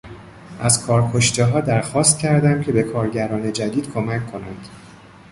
از کارکشتهها درخواست کردم که به کارگران جدید کمک کنند.